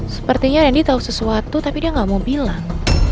sepertinya rendy tau sesuatu tapi dia gak mau bilang